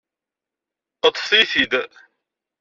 Ṭṭfet-it-id.